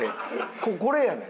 これやねん。